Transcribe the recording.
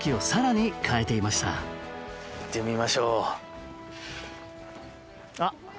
行ってみましょう。